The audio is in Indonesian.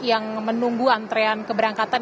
yang menunggu antrean keberangkatan